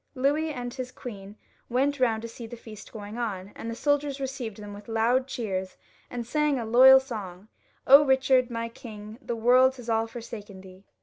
Louis and his queen went round to see the feast as it went on, and the soldiers received them with loud cheers, and sang a loyal song, " Eichard, my king, the world has all forsaken thee."